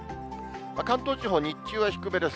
関東地方、日中は低めです。